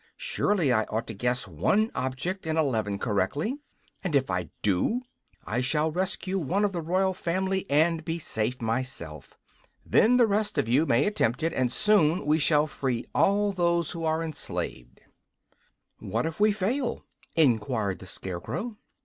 "Surely I ought to guess one object in eleven correctly; and, if I do, I shall rescue one of the royal family and be safe myself. Then the rest of you may attempt it, and soon we shall free all those who are enslaved." "What if we fail?" enquired the Scarecrow.